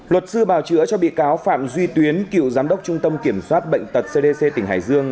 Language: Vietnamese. luật sư bào chữa cho bị cáo phạm duy tuyến cựu giám đốc trung tâm kiểm soát bệnh tật cdc tỉnh hải dương